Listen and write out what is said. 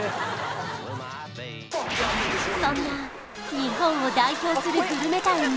そんな日本を代表するグルメタウン